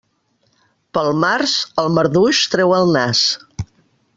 Pel març, el marduix treu el nas.